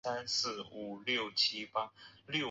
远期汇票有三种。